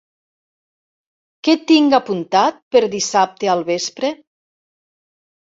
Què tinc apuntat per dissabte al vespre?